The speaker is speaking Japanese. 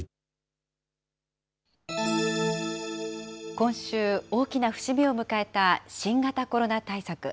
今週、大きな節目を迎えた新型コロナ対策。